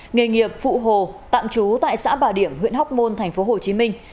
nghề nghiệp phụ hồ tạm trú tại xã bà điểm huyện hóc môn thành phố hồ chí minh